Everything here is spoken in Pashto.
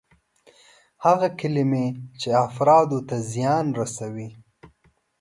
هغه کلمې چې افرادو ته زیان رسوي.